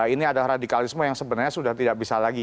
ini adalah radikalisme yang sebenarnya sudah tidak bisa lagi